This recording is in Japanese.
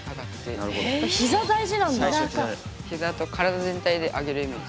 ひざと体全体であげるイメージ。